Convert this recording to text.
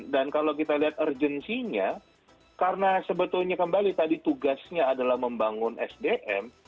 dan kalau kita lihat urgensinya karena sebetulnya kembali tadi tugasnya adalah membangun sdm